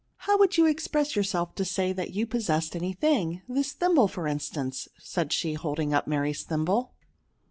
How would you express yourself, to say, that you possessed any thing ; this thimble, for instance," said she, holding up Mary's thimble?"